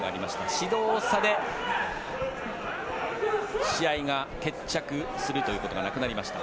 指導され試合が決着するということがなくなりました。